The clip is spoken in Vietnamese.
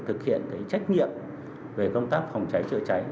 thực hiện trách nhiệm về công tác phòng cháy chữa cháy